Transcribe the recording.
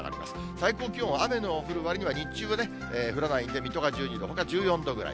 最高気温は雨の降るわりには日中は降らないんで、水戸が１２度、ほか１４度ぐらい。